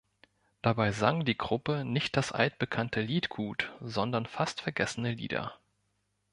Dabei sang die Gruppe nicht das altbekannte Liedgut, sondern fast vergessene Lieder.